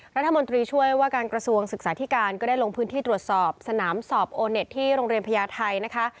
รัฐมนตรีช่วยว่าการกระทรวงศึกษาธิการก็ได้ลงพื้นที่ตรวจสอบสนามสอบโอเน็ตที่โรงเรียนพญาไทยนะคะ